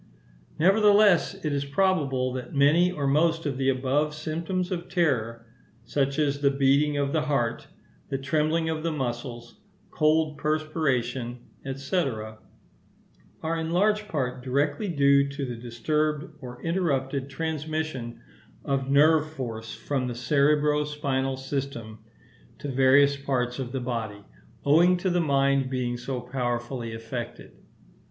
Nevertheless, it is probable that many or most of the above symptoms of terror, such as the beating of the heart, the trembling of the muscles, cold perspiration, &c., are in large part directly due to the disturbed or interrupted transmission of nerve force from the cerebro spinal system to various parts of the body, owing to the mind being so powerfully affected.